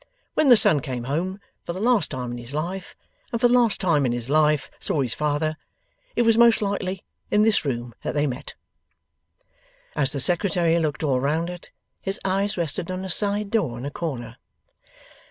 When the son came home for the last time in his life, and for the last time in his life saw his father, it was most likely in this room that they met.' As the Secretary looked all round it, his eyes rested on a side door in a corner.